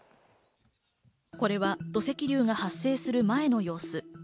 これは土石流が発生する前の様子。